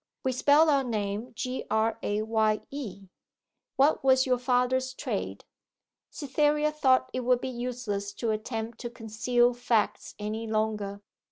We spell our name G, R, A, Y, E.' 'What was your father's trade?' Cytherea thought it would be useless to attempt to conceal facts any longer.